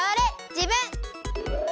じぶん！